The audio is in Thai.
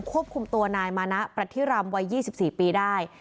ควบคุมตัวนายมานะประทิรำวัย๒๔ปีได้